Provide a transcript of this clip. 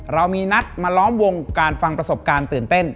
เรามีนัดมาล้อมวงการฟังประสบการณ์ตื่นเต้น